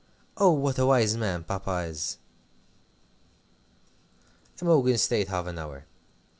Oh, what a wise man Papa is!" Imogen stayed half an hour.